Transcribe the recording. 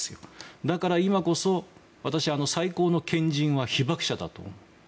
だから今こそ私は最高の賢人は被爆者だと思う。